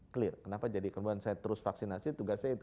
clear kenapa jadi kemudian saya terus vaksinasi tugasnya itu